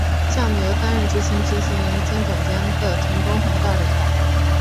项目由担任执行制作人兼总监的田中弘道领导。